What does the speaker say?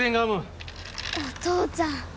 お父ちゃん。